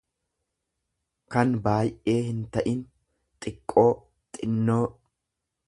kan baay'ee hin ta'in, xiqqoo, xinnoo.